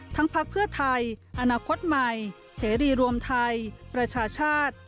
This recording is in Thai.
พักเพื่อไทยอนาคตใหม่เสรีรวมไทยประชาชาติ